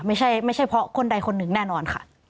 ไม่ใช่เพราะคนใดคนหนึ่งแน่นอนค่ะ